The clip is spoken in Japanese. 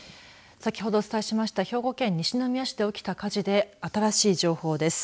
先ほどお伝えしました兵庫県西宮市で起きた火事で新しい情報です。